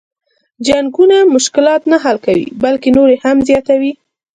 جنګونه مشلات نه حل کوي بلکه نور یې هم زیاتوي.